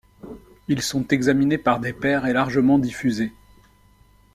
Ils sont examinés par des pairs et largement diffusé.